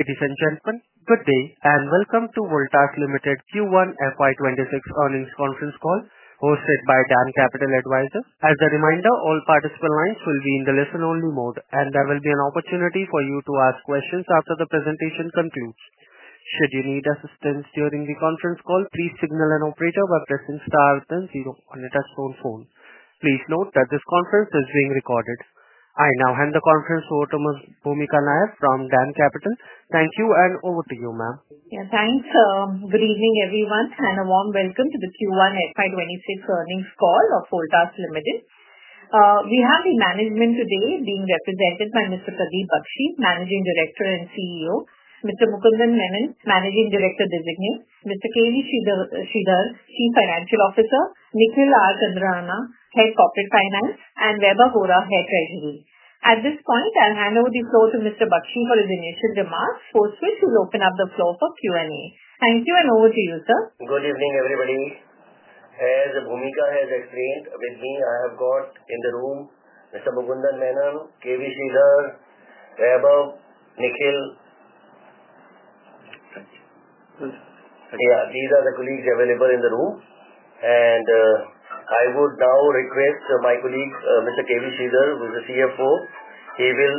It is enchantment. Good day and welcome to Voltas Limited Q1 FY 2026 earnings conference call hosted by DAM Capital Advisors. As a reminder, all participant lines will be in the listen-only mode, and there will be an opportunity for you to ask questions after the presentation concludes. Should you need assistance during the conference call, please signal an operator by star zero on your telephone. Please note that this conference is being recorded. I now hand the conference to Bhoomika Nair from DAM Capital. Thank you and over to you, ma'am. Yeah, thanks. Good evening everyone and a warm welcome to the Q1 FY 2026 earnings call of Voltas Limited. We have the management today being represented by Mr. Pradeep Bakshi, Managing Director and CEO, Mr. Mukundan Menon, Managing Director Designate, Mr. K.V. Sridhar, Chief Financial Officer, Nikhil R. Chandarana, Head Corporate Finance, and Vaibhv Vora, Head Treasury. At this point, I'll hand over the floor to Mr. Bakshi. For his initial demands, hostess will open up the floor for Q and A. Thank you and over to you, sir. Good evening everybody. as Bhoomika has explained, with me I have got in the room Mr. Mukundan menon, k.v. sridhar, Vaibhv Vora, nikhil r. chandarana. Yeah, these are the colleagues available in the room. I would now request my colleague, Mr. K.V. Sridhar, who is the CFO. He will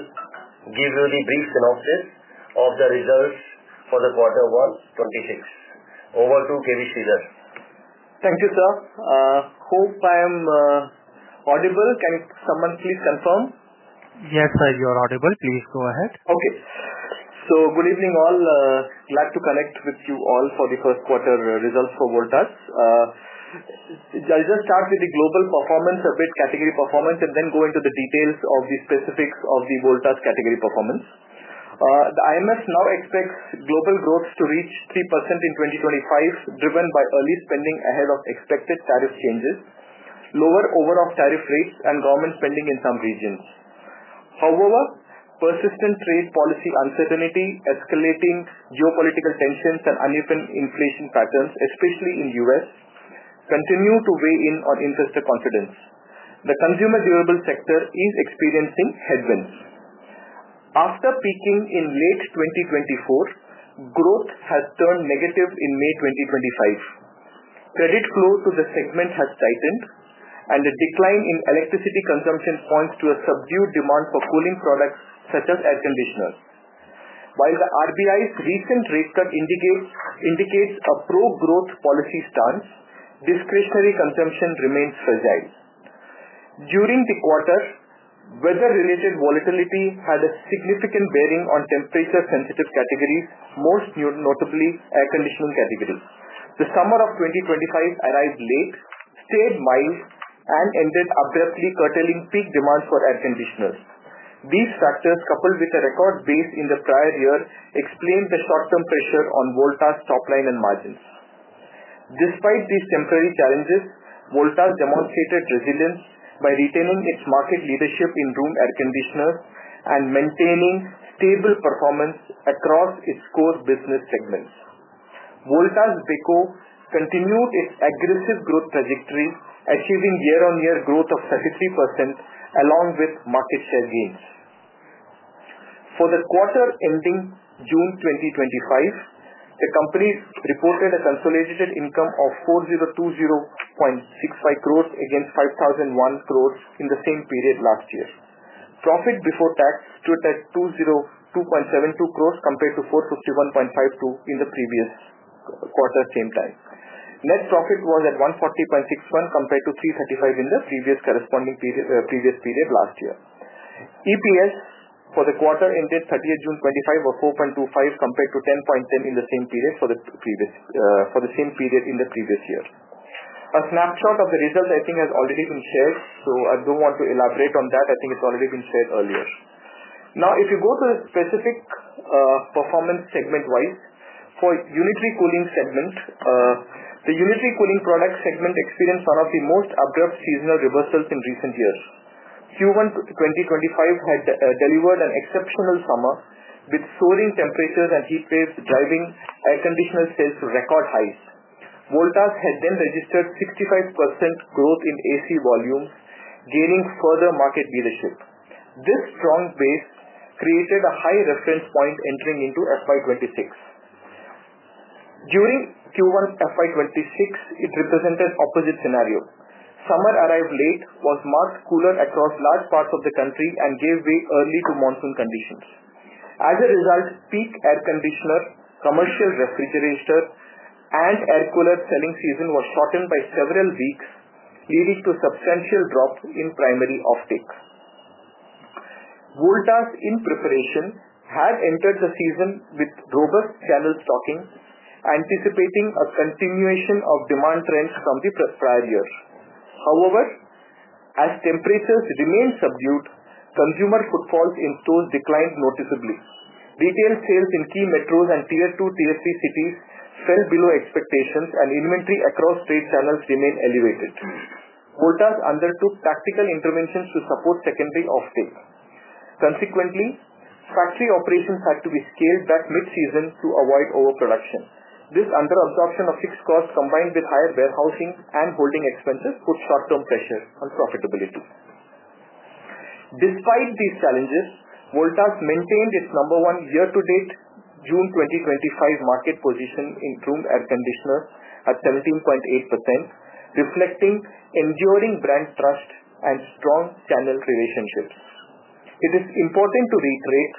give you the brief synopsis of the results for the quarter one, 2026. Over to K.V. Sridhar. Thank you, sir. Hope I am audible. Can someone please confirm? Yes, sir, you are audible. Please go ahead. Okay. Good evening all. Glad to connect with you all for the first quarter results for Voltas. I'll just start with the global performance, a bit of category performance, and then go into the details of the specifics of the Voltas category performance. The IMF now expects global growth to reach 3% in 2025, driven by early spending ahead of expected tariff changes, lower overall tariff rates, and government spending in some regions. However, persistent trade policy uncertainty, escalating geopolitical tensions, and uneven inflation patterns, especially in the U.S., continue to weigh in on investor confidence. The consumer durable sector is experiencing headwinds. After peaking in late 2024, growth has turned negative in May 2025. Credit flow to the segment has tightened, and the decline in electricity consumption points to a subdued demand for cooling products such as air conditioners. While the RBI's recent rate cut indicates a pro-growth policy stance, discretionary consumption remains fragile. During the quarter, weather-related volatility had a significant bearing on temperature-sensitive categories, most notably air conditioning categories. The summer of 2025 arrived late, stayed mild, and ended abruptly, curtailing peak demand for air conditioners. These factors, coupled with a record base in the prior year, explain the short-term pressure on Voltas' top line and margins. Despite these temporary challenges, Voltas demonstrated resilience by retaining its market leadership in room air conditioners and maintaining stable performance across its core business segments. Voltas Beko continued its aggressive growth trajectory, achieving year-on-year growth of 33% along with market share gains. For the quarter ending June 2025, the company reported a consolidated income of 4,020.65 crore against 5,001 crore in the same period last year. Profit before tax stood at 202.72 crore compared to 451.52 crore in the previous quarter same time. Net profit was at 140.61 crore compared to 335 crore in the previous corresponding period last year. EPS for the quarter ended 30th June 2025, 4.25 compared to 10.10 in the same period in the previous year. A snapshot of the results I think has already been shared, so I do not want to elaborate on that. I think it's already been shared earlier. Now, if you go to the specific, performance segment-wise, for unitary cooling segments, the unitary cooling product segment experienced one of the most abrupt seasonal reversals in recent years. Q1 2025 had delivered an exceptional summer with soaring temperatures and heat waves driving air conditioner sales to record highs. Voltas then registered 55% growth in AC volume, gaining further market leadership. This strong base created a high reference point entering into FY 2026. During Q1 FY 2026, it represented an opposite scenario. Summer arrived late, was marked cooler across large parts of the country, and gave way early to monsoon conditions. As a result, peak air conditioner, commercial refrigerator, and air cooler selling season was threatened by several weeks, leading to a substantial drop in primary offtake. Voltas in preparation had entered the season with robust channel stocking, anticipating a continuation of demand trends from the prior years. However, as temperatures remained subdued, consumer footfalls in stores declined noticeably. Retail sales in key metros and tier two, tier three cities fell below expectations, and inventory across trade channels remained elevated. Voltas undertook tactical interventions to support secondary offtake. Consequently, factory operations had to be scaled back mid-season to avoid overproduction. This underabsorption of fixed costs combined with higher warehousing and holding expenses put short-term pressure on profitability. Despite these challenges, Voltas maintained its number one year-to-date June 2025 market position in room air conditioners at 17.8%, reflecting enduring brand trust and strong channel relationships. It is important to reiterate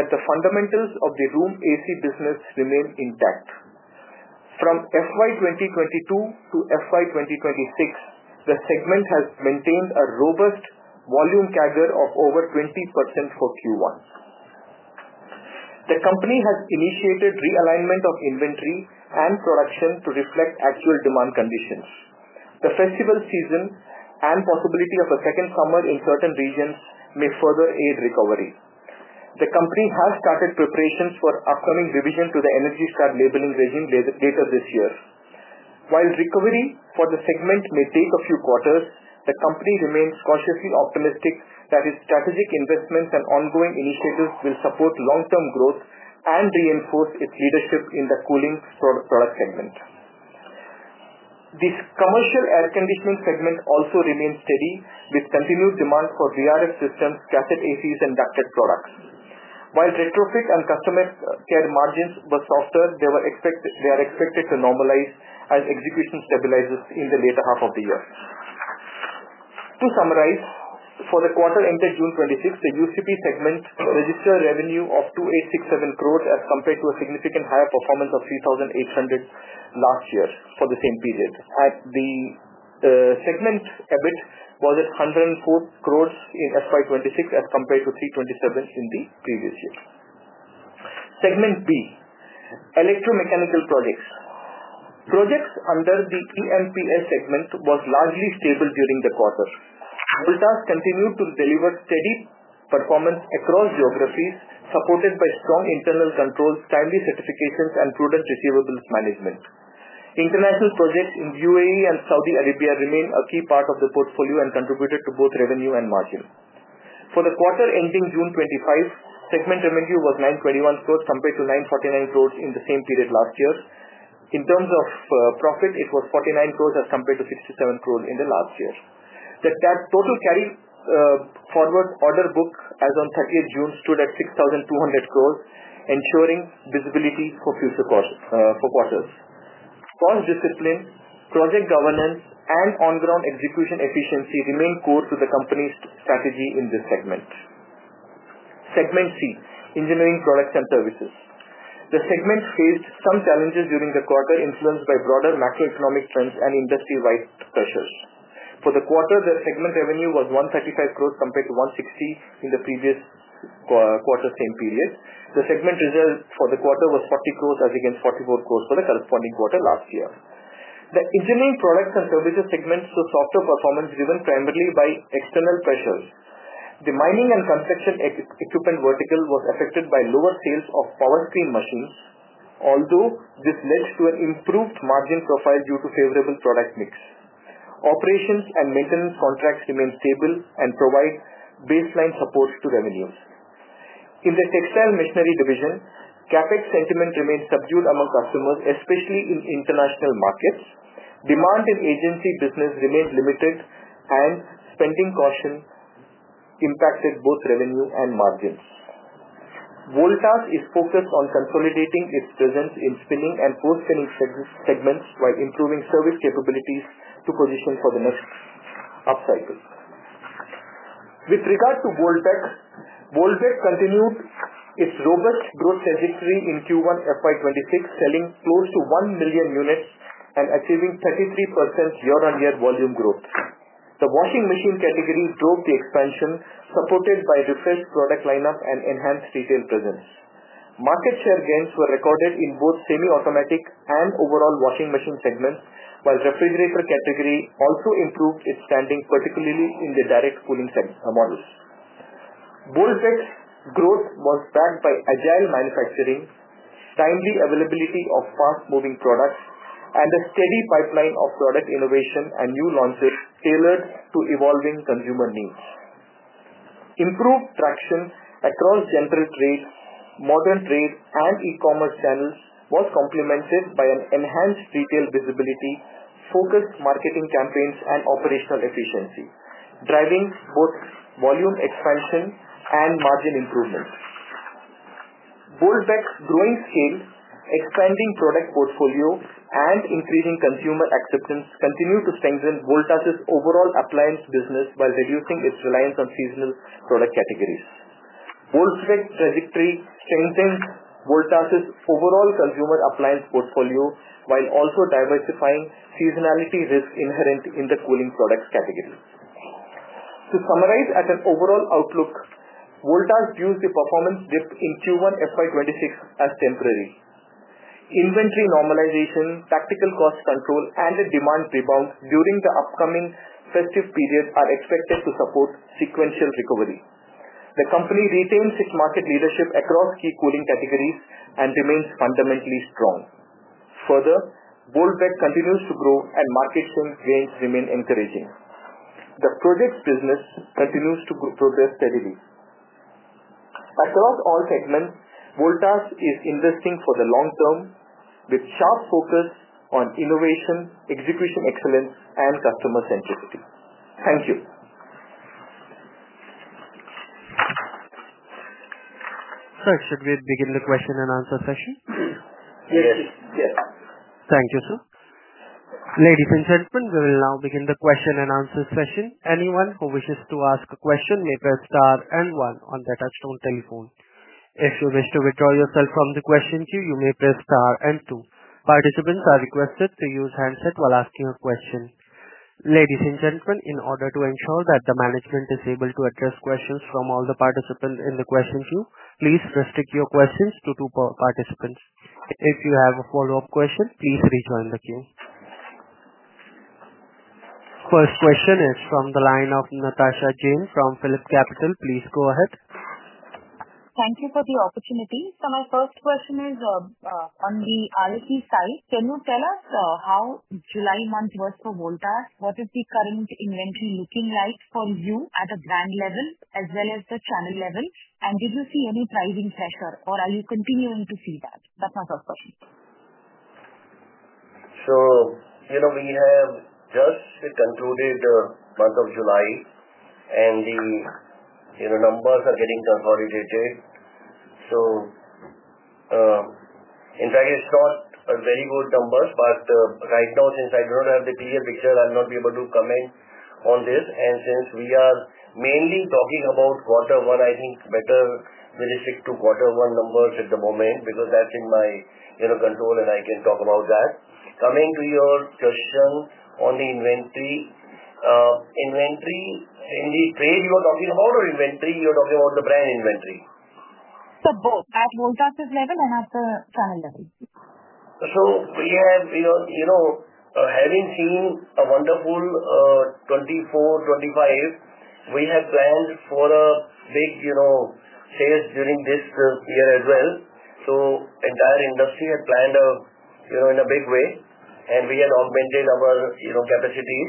that the fundamentals of the room AC business remain intact. From FY 2022 to FY 2026, the segment has maintained a robust volume CAGR of over 20% for Q1. The company has initiated realignment of inventory and production to reflect actual demand conditions. The festival season and possibility of a second summer in certain regions may further aid recovery. The company has started preparations for upcoming revision to the ENERGY STAR labeling regime later this year. While recovery for the segment may take a few quarters, the company remains cautiously optimistic that its strategic investments and ongoing initiatives will support long-term growth and reinforce its leadership in the cooling product segment. The commercial air conditioning segment also remains steady with continued demand for VRF systems, cassette ACs, and ducted products. While retrofits and customer care margins were softer, they are expected to normalize as execution stabilizes in the later half of the year. To summarize, for the quarter ended June 26, the UCP segment registered revenue of 2,867 crore as compared to a significantly higher performance of 3,800 crore last year for the same period. At the segment's EBIT was at 101 crore in FY 2026 as compared to 327 crore in the previous year. Segment B, electromechanical products. Projects under the EMPS segment were largely stable during the quarter. Voltas continued to deliver steady performance across geographies, supported by strong internal controls, timely certifications, and prudent receivables management. International projects in the UAE and Saudi Arabia remain a key part of the portfolio and contributed to both revenue and margin. For the quarter ending June 25, segment revenue was 921 crore compared to 949 crore in the same period last year. In terms of profit, it was 49 crore as compared to 67 crore in the last year. The total carry forward order book as on 30th June stood at 6,200 crore, ensuring visibility for future quarters. Cross-discipline, project governance, and on-ground execution efficiency remain core to the company's strategy in this segment. Segment C, engineering products and services. The segment faced some challenges during the quarter, influenced by broader macroeconomic trends and industry-wide successes. For the quarter, the segment revenue was 135 crore compared to 160 crore in the previous quarter same period. The segment results for the quarter were 40 crore against 44 crore for the corresponding quarter last year. The engineering products and services segment saw softer performance driven primarily by external pressures. The mining and construction equipment vertical was affected by lower sales of power steam machines, although this led to an improved margin profile due to favorable product mix. Operations and maintenance contracts remain stable and provide baseline supports to revenues. In the textile machinery division, CapEx sentiment remains subdued among customers, especially in international markets. Demand in agency business remains limited, and spending caution impacted both revenue and margins. Voltas is focused on consolidating its presence in spinning and post-spinning segments while improving service capabilities to position for the most upcyclers. With regard to Voltas, Voltas continued its robust growth trajectory in Q1 FY 2026, selling close to 1 million units and achieving 33% year-on-year volume growth. The washing machine category drove the expansion, supported by a refreshed product lineup and enhanced retail presence. Market share gains were recorded in both semi-automatic and overall washing machine segments, while the refrigerator category also improved its standing, particularly in the direct cooling models. Voltas' growth was backed by agile manufacturing, timely availability of fast-moving products, and a steady pipeline of product innovation and new launches tailored to evolving consumer needs. Improved traction across general trade, modern trade, and e-commerce channels was complemented by enhanced retail visibility, focused marketing campaigns, and operational efficiency, driving both volume expansion and margin improvement. Voltas' growing sales, expanding product portfolio, and increasing consumer acceptance continue to strengthen Voltas' overall appliance business while reducing its reliance on seasonal product categories. Voltas' trajectory strengthens Voltas' overall consumer appliance portfolio while also diversifying seasonality risks inherent in the cooling products category. To summarize at an overall outlook, Voltas views the performance dip in Q1 FY 2026 as temporary. Inventory normalization, tactical cost controls, and a demand rebound during the upcoming festive period are expected to support sequential recovery. The company retains its market leadership across key cooling categories and remains fundamentally strong. Further, Voltas continues to grow and market strength remains encouraging. The project business continues to progress steadily. Across all segments, Voltas is investing for the long term with a sharp focus on innovation, execution excellence, and customer centricity. Thank you. Sir, should we begin the question and answer session? Yes. Yes. Thank you, sir. Ladies and gentlemen, we will now begin the question and answer session. Anyone who wishes to ask a question may press star and one on their touchstone telephone. If you wish to withdraw yourself from the question queue, you may press star and two. Participants are requested to use handsets while asking your question. Ladies and gentlemen, in order to ensure that the management is able to address questions from all the participants in the question queue, please restrict your questions to two participants. If you have a follow-up question, please rejoin the queue. First question is from the line of Natasha Jain from PhillipCapital India Private. Please go ahead. Thank you for the opportunity. My first question is, on the ROT side, can you tell us how July month was for Voltas? What is the current inventory looking like from you at the brand level as well as the family level? Did you see any pricing pressure, or are you continuing to see that? That's my first question. We have just concluded the month of July, and the numbers are getting consolidated. In fact, it's not a very good number, but right now, since I do not have the clear picture, I'll not be able to comment on this. Since we are mainly talking about quarter one, I think it's better that we stick to quarter one numbers at the moment because that's in my control, and I can talk about that. Coming to your question on the inventory, inventory in the trade you are talking about or inventory you are talking about, the brand inventory? For both, at Voltas' level and at the channel level. We have, having seen a wonderful 2024-2025, we had planned for a big sales during this year as well. The entire industry had planned in a big way, and we had augmented our capacity.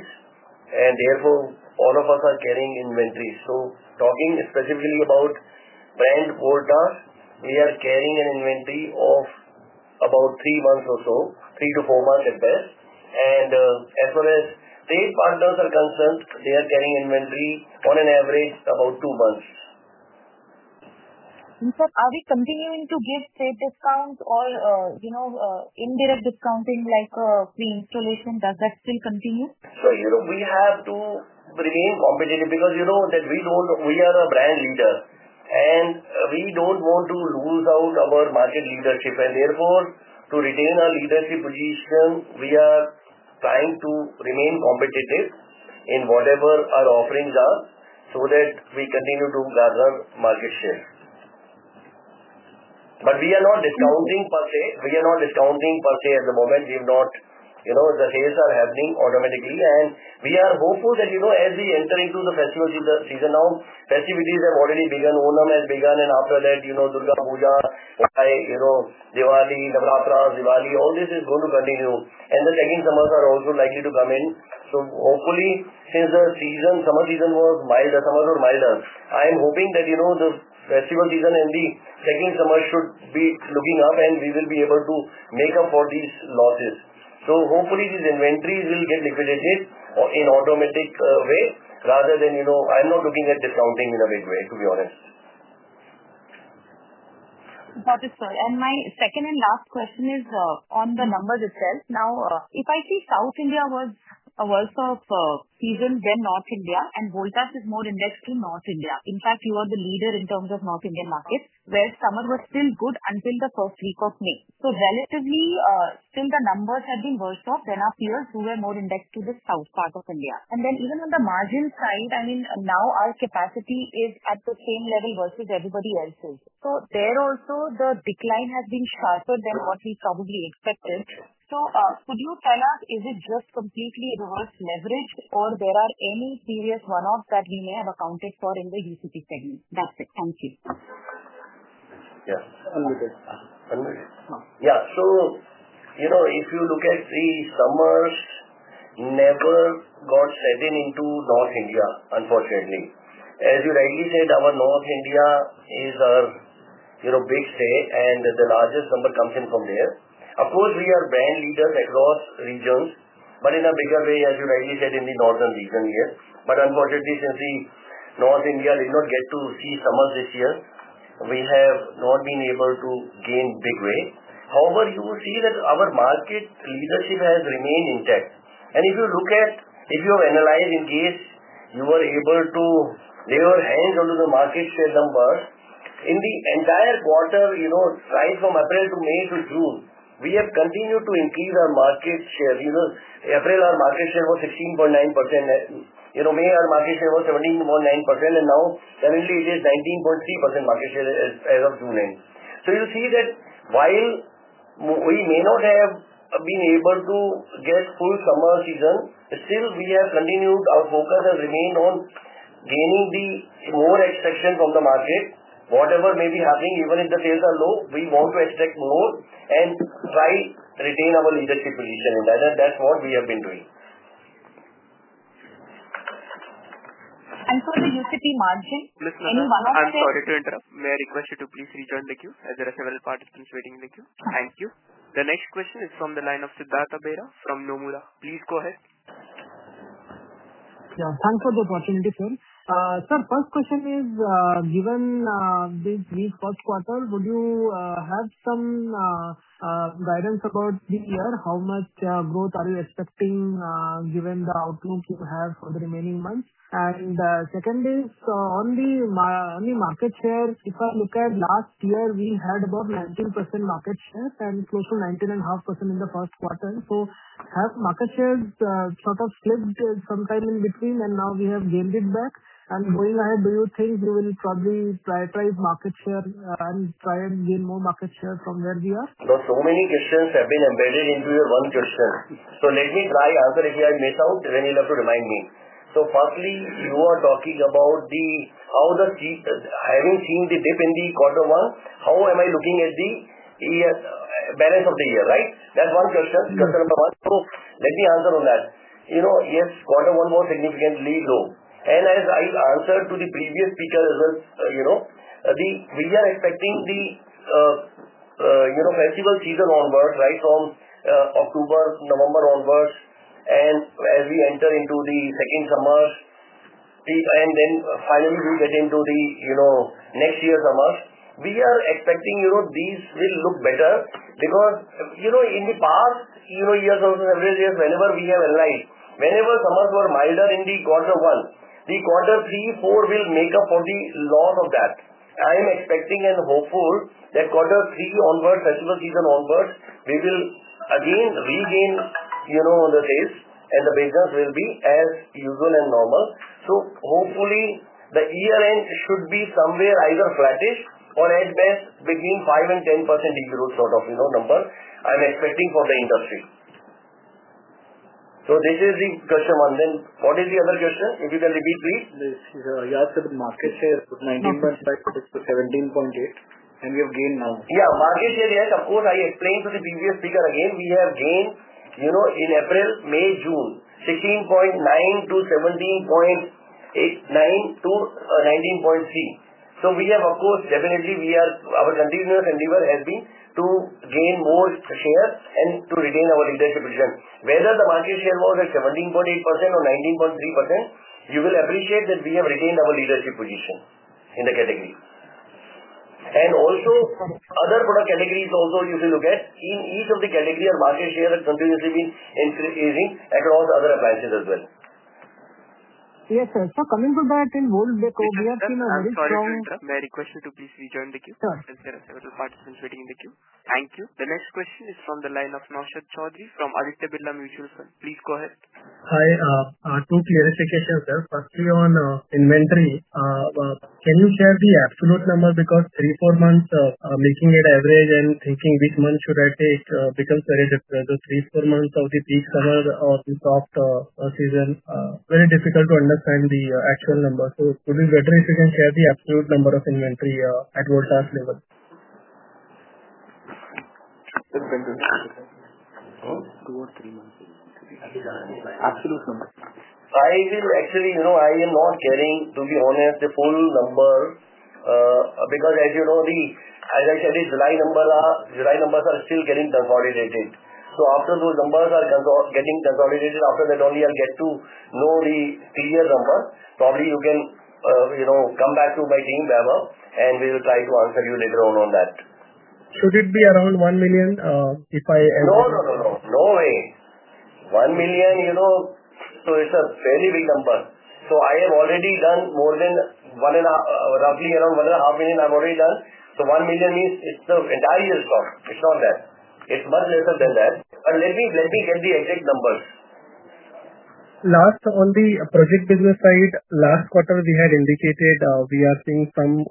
Therefore, all of us are carrying inventory. Talking specifically about brand Voltas, we are carrying an inventory of about three months or so, three to four months at best. As far as trade partners are concerned, they are carrying inventory on an average about two months. Sir, are we continuing to give trade discounts or indirect discounting like pre-installation? Does that still continue? We have to remain competitive because we are a brand leader, and we don't want to lose out our market leadership. Therefore, to retain our leadership position, we are trying to remain competitive in whatever our offerings are so that we continue to gather market share. We are not discounting per se at the moment. The sales are happening automatically. We are hopeful that as we enter into the festival season now, festivities have already begun. Onan has begun and after that, Durga Puja, Diwali, Navratra, Diwali, all this is going to continue. The second summers are also likely to come in. Hopefully, since the summer season was milder, summers were milder, I'm hoping that the festival season and the second summer should be looking up and we will be able to make up for these losses. Hopefully, these inventories will get liquidated in an automatic way rather than, I'm not looking at discounting in a big way, to be honest. That is fine. My second and last question is on the numbers itself. Now, if I see South India was a worse off season than North India, and Voltas is more indexed to North India. In fact, you are the leader in terms of North Indian markets where summer was still good until the first week of May. Relatively, still the numbers have been worse off than our peers who were more indexed to the south part of India. Even on the margin side, I mean, now our capacity is at the same level versus everybody else's. There also, the decline has been sharper than what we probably expected. Could you tell us, is it just completely reverse leverage or are there any serious runoffs that we may have accounted for in the VCT segment? That's it. Thank you. Yeah. So, you know, if you look at the summer, never got settled into North India, unfortunately. As you rightly said, our North India is our, you know, big stay, and the largest number comes in from there. Of course, we are brand leaders across regions, but in a bigger way, as you rightly said, in the northern region here. Unfortunately, since North India did not get to see summer this year, we have not been able to gain a big way. However, you will see that our market leadership has remained intact. If you look at, if you analyze in case you were able to lay your hands onto the market share number, in the entire quarter, right from April to May to June, we have continued to increase our market share. In April, our market share was 16.9%. In May, our market share was 17.9%, and now currently, it is 19.3% market share as of June end. You'll see that while we may not have been able to get full summer season, we have continued our focus and remained on gaining the more expectation from the market. Whatever may be happening, even if the sales are low, we want to expect more and try to retain our leadership position. That's what we have been doing. the unitary cooling products market, in Maratha. I'm sorry to interrupt. May I request you to please rejoin the queue, as there are several participants waiting in the queue? Thank you. The next question is from the line of Siddhartha Bera from Nomura. Please go ahead. Yeah. Thanks for the opportunity. Sir, first question is, given the first quarter, would you have some guidance about three years? How much growth are you expecting, given the outlook you have for the remaining months? The second is, on the market share, if I look at last year, we had about 19% market share and close to 19.5% in the first quarter. Have market shares sort of slipped sometime in between, and now we have gained it back? Going ahead, do you think we will probably prioritize market share and try and gain more market share from where we are? So many questions have been embedded into your one question. Let me try to answer it without anyone reminding me. Firstly, you are talking about how, having seen the dip in quarter one, how am I looking at the balance of the year, right? That's one question. Question number one. Let me answer on that. Yes, quarter one was significantly low. As I answered to the previous speaker, as you know, we are expecting the festival season onward, right, from October, November onwards. As we enter into the second summer, and then finally, we'll get into next year's summer, we are expecting these will look better because, in the past years, whenever we have arrived, whenever summers were milder in quarter one, quarter three, four will make up for the loss of that. I am expecting and hopeful that quarter three onwards, festival season onwards, we will again regain the sales, and the business will be as usual and normal. Hopefully, the year-end should be somewhere either flattish or at best between 5% and 10% growth sort of number I'm expecting for the industry. This is the question one. What is the other question? If you can repeat, please. Yes, you answered the market shares. Put 19.5% to 17.8%, and we have gained now. Yeah, market share yet. Of course, I explained to the previous speaker again, we have gained, you know, in April, May, June, 16.9% to 17.9% to 19.3%. We have, of course, definitely, our continuous endeavor has been to gain more shares and to retain our leadership position. Whether the market share was at 17.8% or 19.3%, you will appreciate that we have retained our leadership position in the category. Also, other product categories you should look at. In each of the categories, our market share has continuously been increasing across other appliances as well. Yes, sir. Coming to that, in Voltas, we have seen a very strong. I'm sorry. May I request you to please rejoin the queue? Since there are several participants waiting in the queue. Thank you. The next question is from the line of Naushad Chaudhary from Aditya Birla Mutual Fund. Please go ahead. Hi. I have two clear expectations, sir. Firstly, on inventory, can you share the absolute number because three, four months making an average and thinking which month should I take because there is a previous three, four months of the peak summer of the soft season, very difficult to understand the actual number. It would be better if you can share the absolute number of inventory at Voltas level. Absolutely. I am not sharing, to be honest, the full number because, as you know, as I said, the July numbers are still getting consolidated. After those numbers are getting consolidated, only then I'll get to know the clear number. Probably you can come back to my team, Vaibhv, and we will try to answer you later on that. Should it be around $1 million if I am? No way. 1 million, you know, it's a very big number. I have already done more than 1.5, roughly around 1.5 million I've already done. 1 million means it's the entire year's growth. It's not that. It's much lesser than that. Let me tell the exact numbers. Last, on the project business side, last quarter we had indicated we are seeing some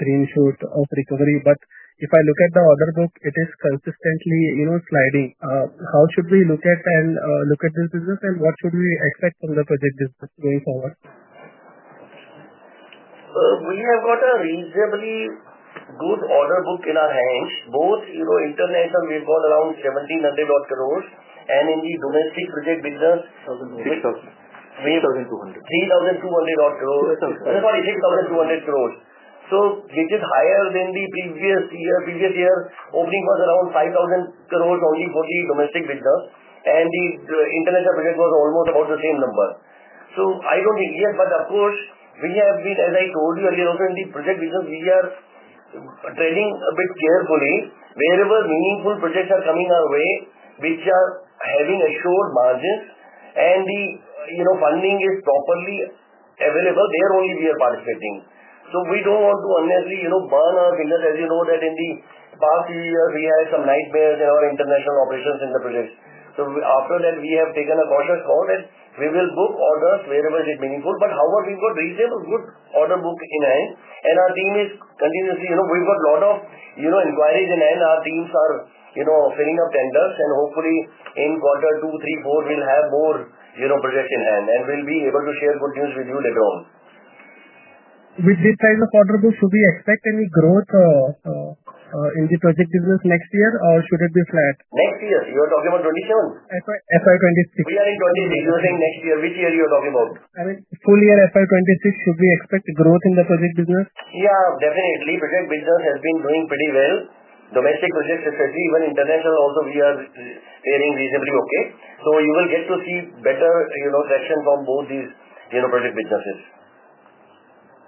green shoot of recovery. If I look at the order book, it is consistently sliding. How should we look at and look at this business and what should we expect from the project business going forward? We have got a reasonably good order book in our hands. Both, you know, internationally, we've got around INR 1,700 crore and in the domestic project business, INR 3,200 crore. 3,200. 3,200 crore. Everybody said INR 2,200 crore, which is higher than the previous year. Previous year, opening was around INR 5,000 crore only for the domestic business, and the international project was almost about the same number. I don't think, yes, of course, we have been, as I told you earlier on, in the project business, we are treading a bit carefully. Wherever meaningful projects are coming our way, which are having excellent margins and the funding is properly available, there only we are participating. We don't want to, honestly, burn our fingers. As you know, in the past few years, we had some nightmares in our international operations in the projects. After that, we have taken a cautious call that we will book orders wherever it is meaningful. However, we've got reasonably good order book in hand, and our team is continuously, we've got a lot of inquiries in hand. Our teams are filling up tenders, and hopefully, in quarter two, three, four, we'll have more projects in hand. We'll be able to share good news with you later on. With this kind of order book, should we expect any growth in the project business next year, or should it be flat? Next year, you are talking about 2027? FY 2026. We are in 2026. You are saying next year. Which year are you talking about? I mean, full year FY 2026, should we expect growth in the project business? Yeah, definitely. Project business has been doing pretty well. Domestic projects, especially, even international also, we are airing reasonably okay. You will get to see better traction from both these project businesses.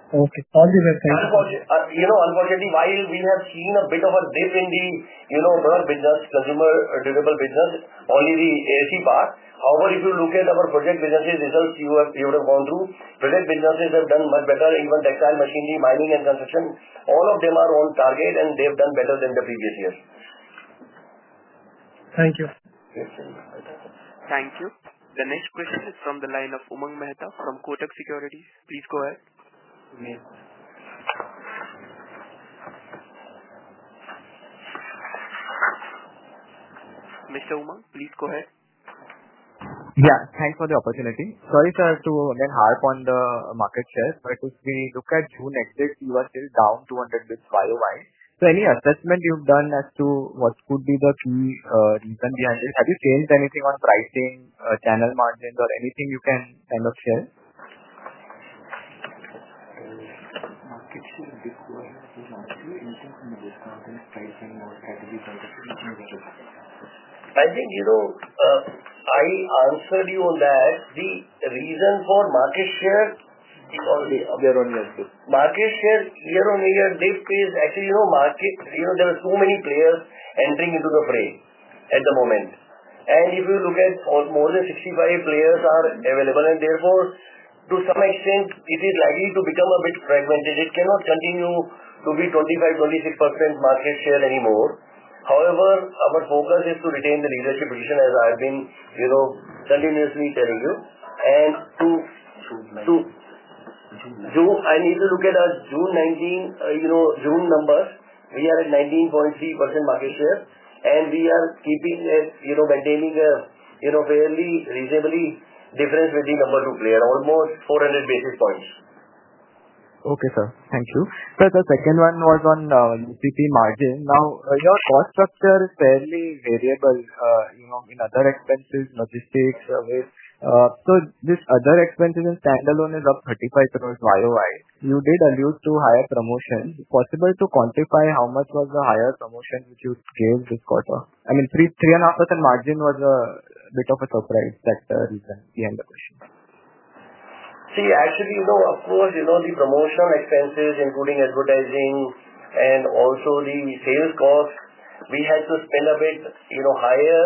Okay, all the rest. Unfortunately, while we have seen a bit of a dip in our business, consumer durable business, only the AC part. However, if you look at our project businesses' results, you would have gone through. Project businesses have done much better, even textile machinery, mining, and construction. All of them are on target, and they've done better than the previous year. Thank you. Thank you. The next question is from the line of Umang Mehta from Kotak Securities. Please go ahead. Mr. Umang, please go ahead. Yeah, thanks for the opportunity. Sorry to harp on the market shares, but if we look at June exit, you are still down 200 bps year on year. Any assessment you've done as to what could be the key reason behind this? Have you changed anything on pricing, channel margins, or anything you can kind of share? Pricing or attribution? I think I answered you on that. The reason for market shares, we are on year-on-year shift. Market share year-on-year lift is actually, you know, there are so many players entering into the fray at the moment. If you look at all, more than 65 players are available. Therefore, to some extent, it is likely to become a bit fragmented. It cannot continue to be 25% or 26% market share anymore. However, our focus is to retain the leadership position, as I've been continuously telling you. I need to look at our June 19, you know, June numbers. We are at 19.3% market share. We are keeping it, you know, maintaining a fairly reasonable difference between number two players, almost 400 basis points. Okay, sir. Thank you. The second one was on the CP margin. Now, your cost structure is fairly variable, you know, in other expenses, logistics, with this other expenses and standalone is up 35 crore year-on-year. You did allude to higher promotion. Possible to quantify how much was the higher promotion which you scaled this quarter? I mean, pre-3.5% margin was a bit of a surprise factor reason. Yeah, the end of the question. See, as you know, the promotional expenses, including advertising, and also the sales costs, we had to spend a bit higher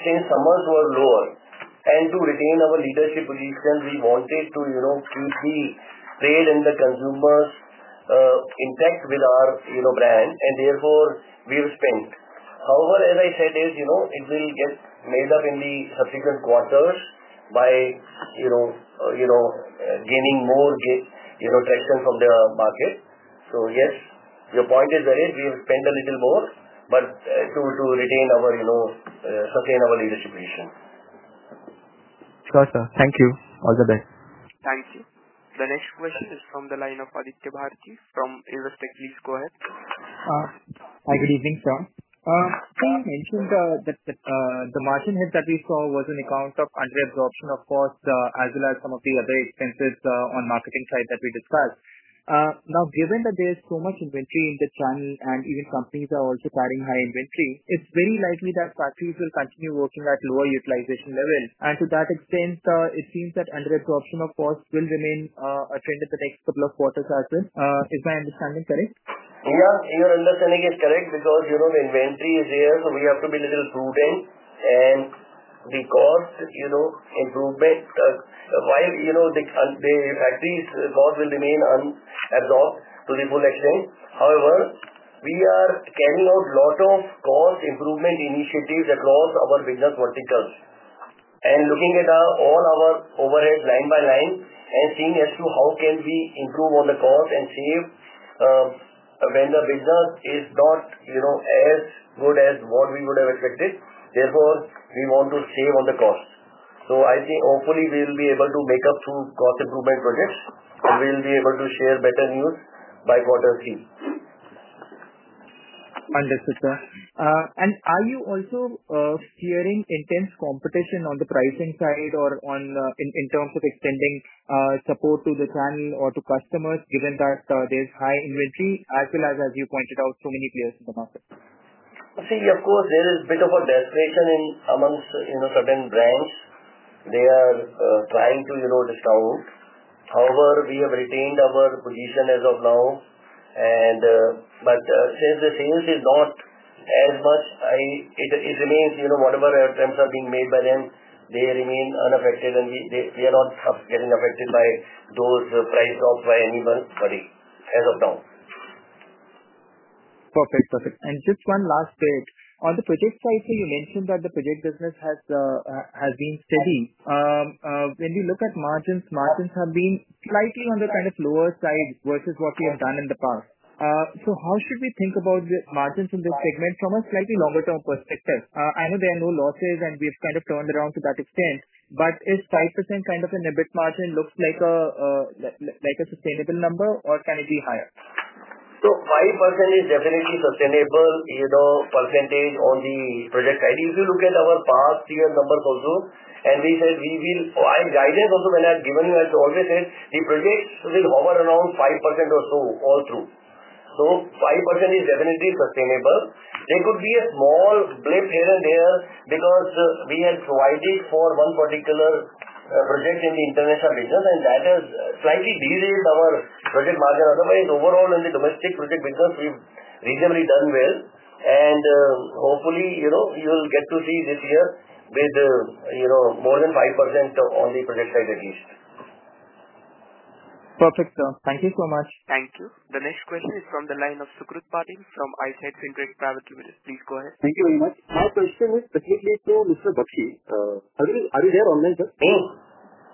since summers were lower. To retain our leadership position, we wanted to keep the sale in the consumer intact with our brand. Therefore, we have spent. However, as I said, it will get made up in the subsequent quarters by gaining more traction from the market. Yes, your point is that we have spent a little more, but to retain our, you know, sustain our leadership position. Gotcha. Thank you. All the best. Thank you. The next question is from the line of Aditya Bharti from Elastic Devs. Please go ahead. Hi, good evening, sir. You mentioned that the margin hit that we saw was on account of underabsorption of cost, as well as some of the other expenses on the marketing side that we discussed. Now, given that there is so much inventory in the channel and even companies are also carrying high inventory, it's very likely that factories will continue working at lower utilization levels. To that extent, it seems that underabsorption of cost will remain a trend in the next couple of quarters as well. Is my understanding correct? Yeah, your understanding is correct because, you know, the inventory is there. We have to be a little prudent and the cost, you know, improvement, while, you know, the factories' cost will remain unabsorbed to the full extent. However, we are carrying out a lot of cost improvement initiatives across our business vertical. We are looking at all our overhead line by line and seeing as to how can we improve on the cost and save, when the business is not, you know, as good as what we would have expected. Therefore, we want to save on the cost. I think hopefully we'll be able to make up to cost improvement projects and we'll be able to share better news by quarter three. Understood, sir. Are you also fearing intense competition on the pricing side or in terms of extending support to the channel or to customers given that there's high inventory as well as, as you pointed out, so many players in the market? See, of course, there is a bit of a desperation amongst certain brands. They are trying to discount. However, we have retained our position as of now. Since the sales is not as much, whatever attempts are being made by them remain unaffected and they are not getting affected by those price drops by anybody, sorry, as of now. Perfect. Perfect. Just one last thing. On the project side, you mentioned that the project business has been steady. When we look at margins, margins have been slightly on the lower side versus what we have done in the past. How should we think about the margins in this segment from a slightly longer-term perspective? I know there are no losses and we've kind of turned around to that extent, but is 5% kind of an EBIT margin, does that look like a sustainable number or can it be higher? 5% is definitely a sustainable, you know, percentage on the project side. If you look at our past year numbers also, and we said we will, I've guided also when I've given you, I've always said the project will hover around 5% or so all through. 5% is definitely sustainable. There could be a small blip here and there because we had provided for one particular project in the international business, and that has slightly derailed our project margin. Otherwise, overall in the domestic project business, we've reasonably done well. Hopefully, you know, we will get to see this year with, you know, more than 5% on the project side at least. Perfect, sir. Thank you so much. Thank you. The next question is from the line of Sucrit Patil from Eyesight Fintrade Private Limited. Please go ahead. Thank you very much. Our question is specifically to Mr. Bakshi. Are you there online, sir?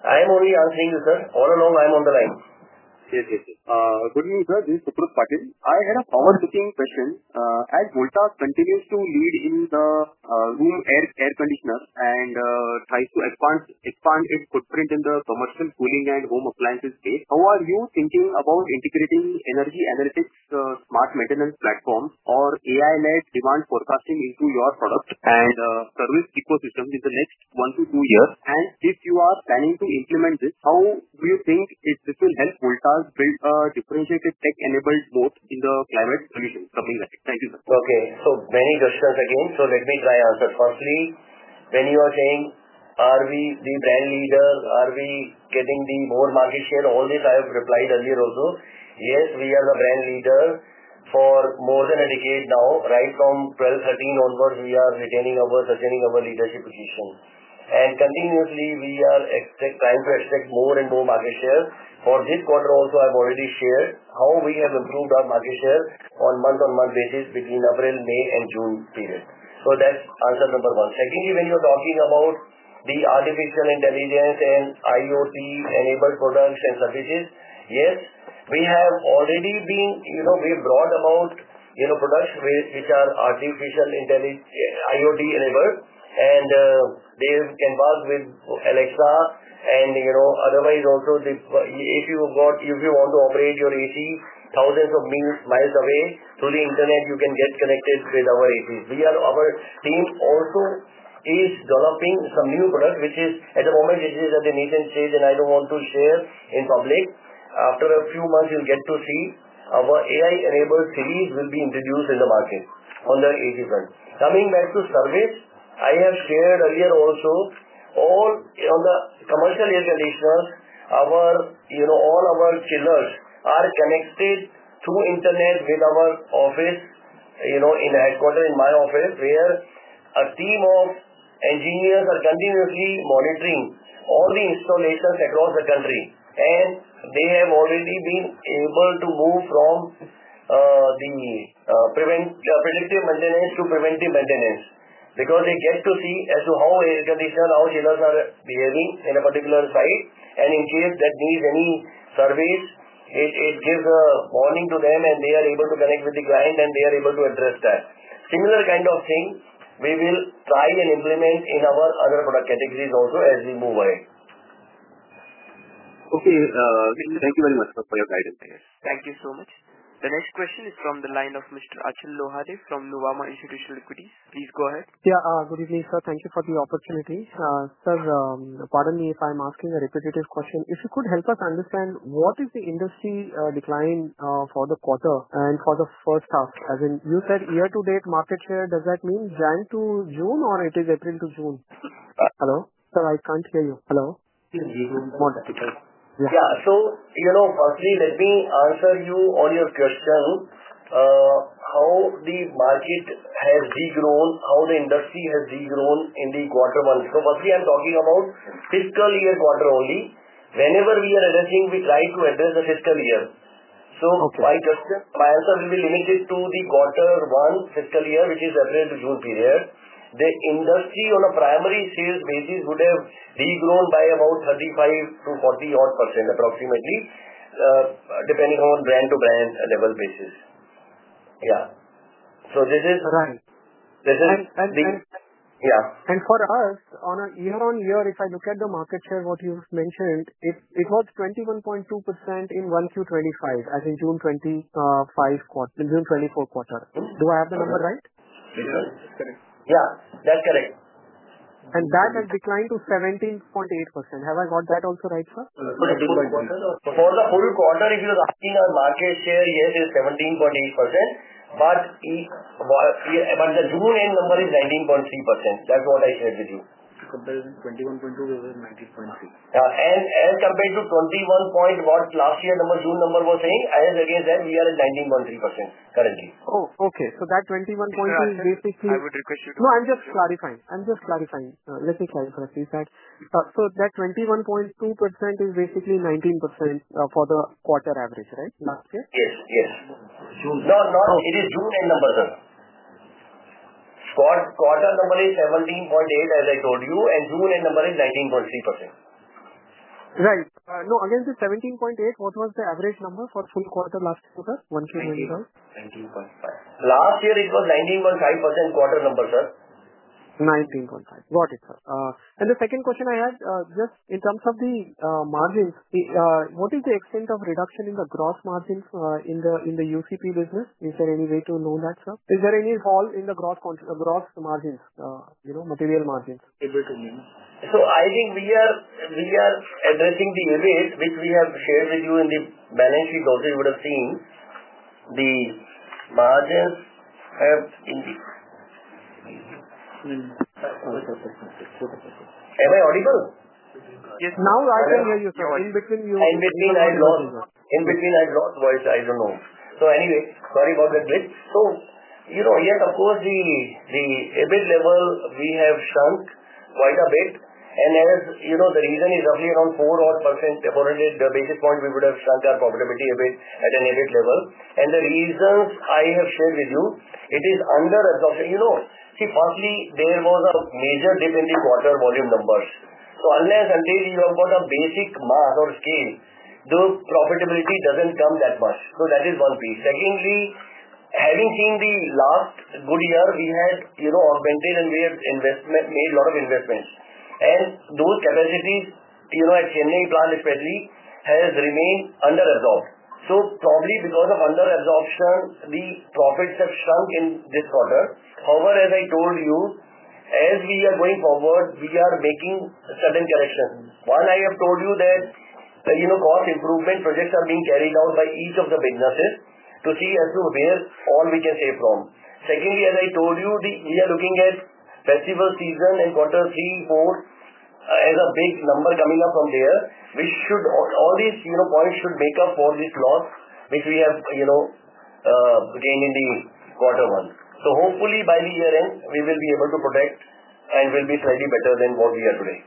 I am only answering you, sir. All along, I'm on the line. Sure, sure, sure. Good evening, sir. This is Sucrit Patil. I had a power cooking question. As Voltas continues to lead in the room air conditioner and tries to expand its footprint in the commercial cooling and home appliances space, how are you thinking about integrating energy analytics, smart maintenance platform, or AI-led demand forecasting into your product and service ecosystem in the next one to two years? If you are planning to implement this, how do you think this will help Voltas build a differentiated tech-enabled growth in the climate solutions coming later? Thank you, sir. Okay. So let me try to answer it. Firstly, when you are saying, are we the brand leader? Are we getting more market share? All this, I have replied earlier also. Yes, we are the brand leader for more than a decade now. Right from 2012-2013 onwards, we are retaining our leadership position and continuously, we are trying to extract more and more market share. For this quarter also, I've already shared how we have improved our market share on a month-on-month basis between April, May, and June period. That's answer number one. Secondly, when you're talking about the artificial intelligence and IoT-enabled products and services, yes, we have already been, you know, we've brought about products which are artificial intelligence, IoT-enabled. They can work with Alexa and, otherwise also, if you want to operate your AC thousands of miles away through the internet, you can get connected with our AC. Our team also is developing some new products, which at the moment, are at the nascent stage and I don't want to share in public. After a few months, you'll get to see our AI-enabled series will be introduced in the market on that AV side. Coming back to service, I have shared earlier also, on the commercial air conditioners, all our chillers are connected through internet with our office, in headquarters, in my office, where a team of engineers are continuously monitoring all the installations across the country. They have already been able to move from preventive maintenance to predictive maintenance because they get to see how air conditioners, how chillers are behaving in a particular site. In case that needs any service, it gives a warning to them and they are able to connect with the client and they are able to address that. Similar kind of thing, we will try and implement in our other product categories also as we move ahead. Okay. Thank you very much for your guidance. Thank you so much. The next question is from the line of Mr. Achal Lohade from Nuvama Institutional Equities. Please go ahead. Yeah, good evening, sir. Thank you for the opportunity. Sir, pardon me if I'm asking a repetitive question. If you could help us understand what is the industry decline for the quarter and for the first half? As in, you said year-to-date market share, does that mean Jan to June or it is April to June? Hello? Sir, I can't hear you. Hello? Excuse me. Go on, Dr. Chen. Yeah. Firstly, let me answer you on your question, how the market has re-grown, how the industry has re-grown in the quarter one. Firstly, I'm talking about fiscal year quarter only. Whenever we are addressing, we try to address the fiscal year. By just my answer, we will link this to the quarter one fiscal year, which is definitely the June period. The industry on a primary sales basis would have re-grown by about 35% to 40% approximately, depending on brand-to-brand level basis. Yeah, this is. For us, on a year-on-year, if I look at the market share, what you've mentioned, it was 21.2% in Q1 2025, as in June 2025, in June 2024 quarter. Do I have the number right? Yeah, that's correct. That has declined to 17.8%. Have I got that also right, sir? For the whole quarter, if you're asking our market share, yes, it's 17.8%. The June end number is 19.3%. That's what I shared with you. Compared to 21.2%, it was at 19.6%. Yeah, compared to 21 point what last year number, June number was saying, as against them, we are at 19.3% currently. Oh, okay. That 21.2% is basically. No, I would request it. I'm just clarifying. Let me clarify that. That 21.2% is basically 19% for the quarter average, right, last year? Yes. Yes. June. No, it is June end number, sir. Quarter number is 17.8%, as I told you, and June end number is 19.3%. Right. No, again, the 17.8%, what was the average number for the full quarter last quarter? 17.5%. Last year, it was 19.5% quarter number, sir. Got it, sir. The second question I had, just in terms of the margins, what is the extent of reduction in the gross margins in the UCP business? Is there any way to know that, sir? Is there any fall in the gross margins, you know, material margins? I think we are addressing the areas which we have shared with you in the balance sheet. Also, you would have seen the margins have increased. Am I audible? Yes, now I can hear you, sir, in between you and me. In between I lost voice, I don't know. Sorry about that. Yes, of course, the EBIT level we have shrunk quite a bit. As you know, the reason is roughly around 4% according to the basic point we would have shrunk our profitability a bit at an EBIT level. The reasons I have shared with you, it is underabsorption. Firstly, there was a major dip in the quarter volume numbers. Unless you have got a basic math or scheme, the profitability doesn't come that much. That is one piece. Secondly, having seen the last good year, we had augmented and we had made a lot of investments. Those capacities, extending plan especially, has remained underabsorbed. Probably because of underabsorption, the profits have shrunk in this quarter. However, as I told you, as we are going forward, we are making certain corrections. One, I have told you that cost improvement projects are being carried out by each of the businesses to see as to where all we can save from. Secondly, as I told you, we are looking at festival season in quarter three, four, as a big number coming up from there, which should all these points should make up for the loss which we have gained in the quarter one. Hopefully, by the year end, we will be able to protect and will be slightly better than what we are today.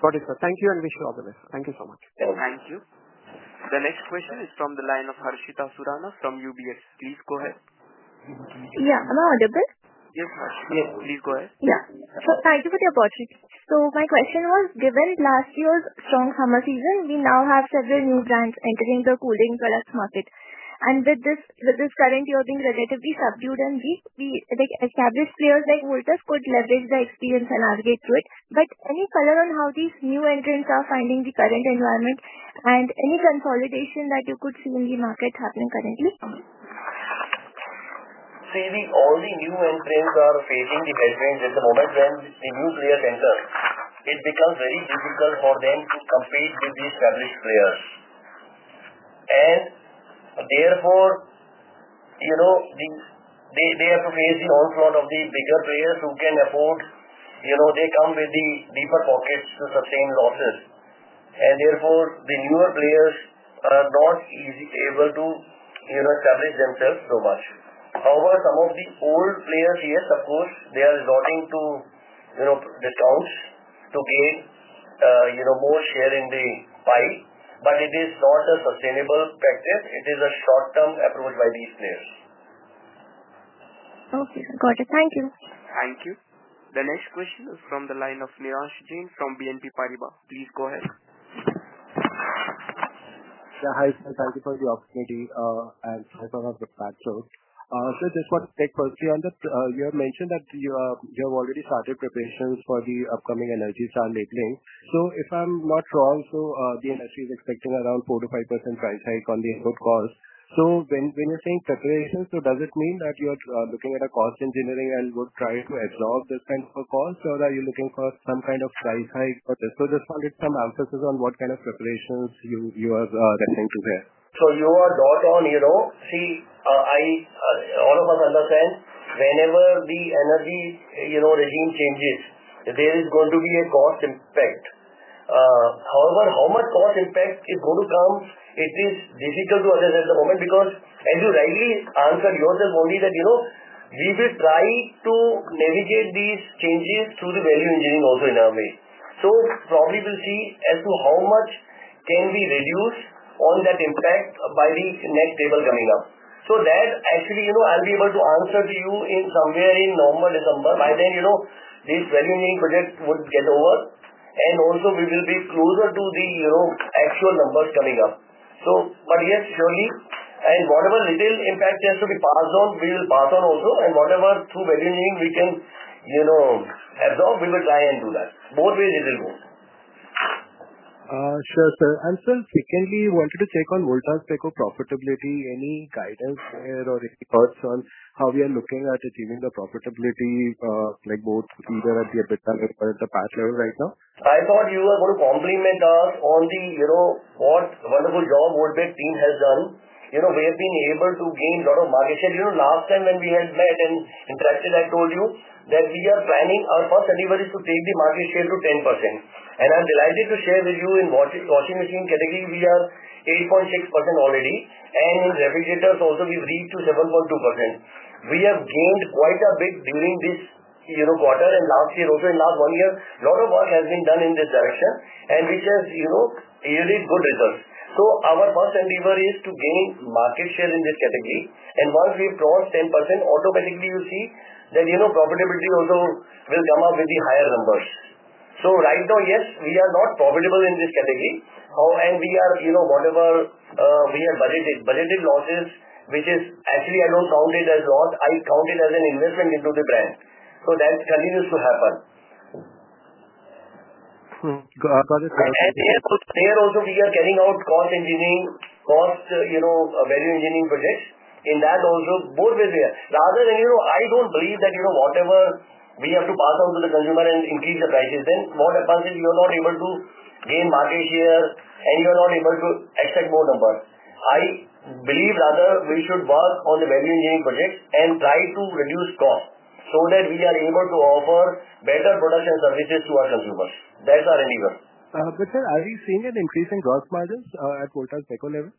Got it, sir. Thank you and wish you all the best. Thank you so much. Thank you. The next question is from the line of Harshita Surana from UBS. Please go ahead. hello. Did I get this? Yes, please go ahead. Thank you for the opportunity. My question was, given last year's strong summer season, we now have several new brands entering the cooling products market. With this current year being relatively subdued and weak, we think established players like Voltas could leverage the experience and navigate through it. Any color on how these new entrants are finding the current environment and any consolidation that you could see in the market happening currently? See, the only new entrants are facing the veterans at the moment, friends, the new player vendors. It becomes very difficult for them to compete with the established players. Therefore, they have to face an onslaught of the bigger players who can afford, you know, they come with the deeper pockets to sustain losses. Therefore, the newer players are not easily able to establish themselves so much. However, some of the old players here, of course, they are resorting to discounts to gain more share in the pie. It is not a sustainable practice. It is a short-term approach by these players. Okay, got it. Thank you. Thank you. The next question is from the line of Nirransh Jain from BNP Paribas. Please go ahead. Yeah. Hi, sir. Thank you for the opportunity. I'm sorry for my background. Sir, just for clarity, you have mentioned that you have already started preparations for the upcoming ENERGY STAR labeling. If I'm not wrong, the industry is expecting around 4% to 5% price hike on the sub-cost. When you're saying preparations, does it mean that you're looking at cost engineering and would try to absorb this kind of a cost, or are you looking for some kind of price hike? I just wanted some emphasis on what kind of preparations you are referring to there. You are not on, you know, see, or I, all of us understand whenever the energy, you know, regime changes, there is going to be a cost impact. However, how much cost impact is going to come, it is difficult to assess at the moment because, as you rightly answered yourself, only that, you know, we will try to navigate these changes through the value engineering also in our way. Probably we'll see as to how much can we reduce on that impact by the next table coming up. That actually, you know, I'll be able to answer to you in somewhere in November, December. By then, you know, this value engineering project would get over, and also, we will be closer to the, you know, actual numbers coming up. Yes, surely, and whatever little impact has to be passed on, we will pass on also. Whatever through value engineering we can, you know, absorb, we will try and do that. Both ways it will go. Sure, sir. I'm still thinking we wanted to take on Voltas' tech or profitability. Any guidance there or any thoughts on how we are looking at achieving the profitability, like both either at the EBIT level or at the PAT level right now? I thought you were going to compliment on the, you know, what a wonderful job Voltas team has done. We have been able to gain a lot of market share. Last time when we had met and interacted, I told you that we are planning our first delivery to take the market share to 10%. I'm delighted to share with you in the washing machine category, we are 8.6% already. In refrigerators also, we've reached 7.2%. We have gained quite a bit during this quarter and last year also. In the last one year, a lot of work has been done in this direction, which has yielded good results. Our first endeavor is to gain market share in this category. Once we cross 10%, automatically you see that profitability also will come up with the higher numbers. Right now, yes, we are not profitable in this category. We are, you know, whatever, we have budgeted losses, which is actually, I don't count it as a loss. I count it as an investment into the brand. That continues to happen. Got it. We are also carrying out cost engineering, value engineering projects in that also. Both ways we are. Rather than, you know, I don't believe that, you know, whatever we have to pass on to the consumer and increase the prices. What happens if you are not able to gain market share and you are not able to accept more numbers? I believe rather we should work on the value engineering project and try to reduce cost so that we are able to offer better products and services to our consumers. That's our endeavor. Sir, are you seeing an increase in gross margins at Voltas tech or label?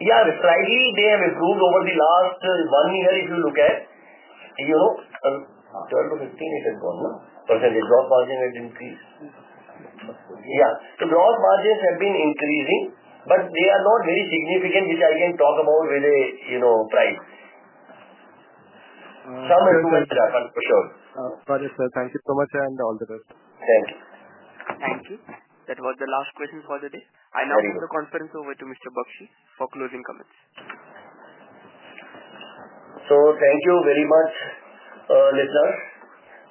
Yeah, the pricing, they have improved over the last one year, if you look at. 12 to 15% is important. Percentage gross margin has increased. Yes, the gross margins have been increasing, but they are not very significant, which I can talk about with a price. Some improvements will happen, for sure. Got it, sir. Thank you so much and all the best. Thank you. Thank you. That was the last question for the day. I now open the conference over to Mr. Bakshi for closing comments. Thank you very much, listeners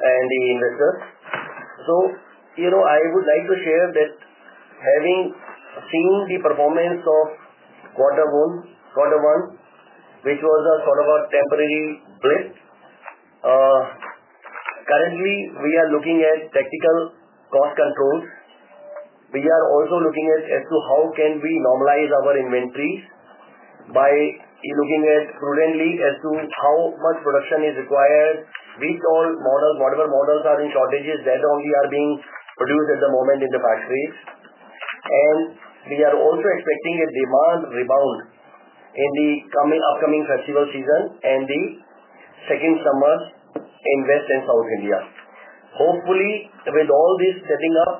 and the investors. I would like to share that having seen the performance of quarter one, which was a sort of a temporary twist, currently, we are looking at tactical cost controls. We are also looking at how we can normalize our inventories by looking at currently how much production is required, which models, whatever models are in shortages, that's all we are being produced at the moment in the factories. We are also expecting a demand rebound in the upcoming festival season and the second summer in West and South India. Hopefully, with all this setting up,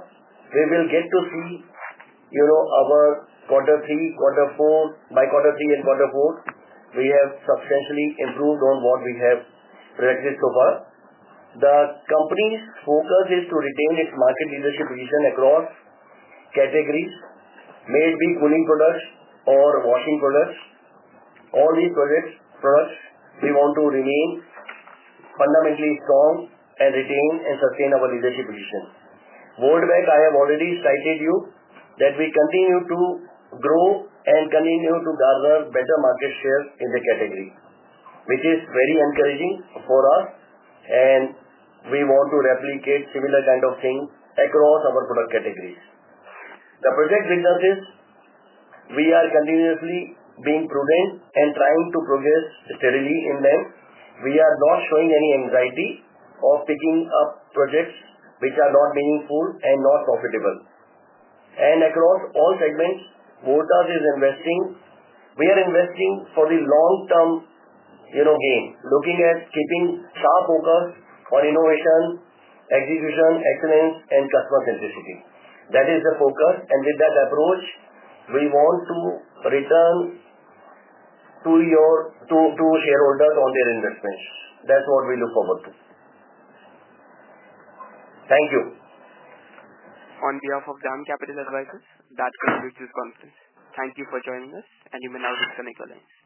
we will get to see our quarter three, quarter four, by quarter three and quarter four, we have substantially improved on what we have produced so far. The company's focus is to retain its market leadership position across categories, may it be cooling products or washing products. All these products, we want to remain fundamentally strong and retain and sustain our leadership position. Going back, I have already cited you that we continue to grow and continue to gather better market shares in the category, which is very encouraging for us. We want to replicate similar kind of things across our product categories. The project businesses, we are continuously being prudent and trying to progress steadily in them. We are not showing any anxiety of picking up projects which are not meaningful and not profitable. Across all segments, Voltas is investing. We are investing for the long-term gain, looking at keeping our focus on innovation, execution, excellence, and customer centricity. That is the focus. With that approach, we want to return to your shareholders on their investments. That's what we look forward to. Thank you. On behalf of DAM Capital Advisors, that concludes this conference. Thank you for joining us, and you may now disconnect.